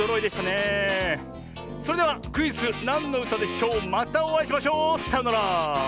それではクイズ「なんのうたでしょう」またおあいしましょう。さようなら！